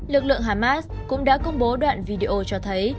lực lượng hamas cũng đã công bố đoạn video cho thấy